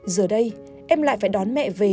giờ đây em lại phải đón mẹ về